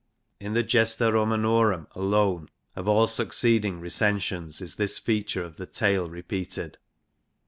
In the Gesta Romanorum alone of all succeeding recensions is this feature of the tale repeated.